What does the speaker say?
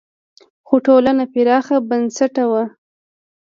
خو ټولنه پراخ بنسټه وه.